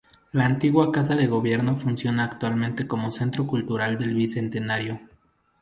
La antigua Casa de Gobierno funciona actualmente como Centro Cultural del Bicentenario.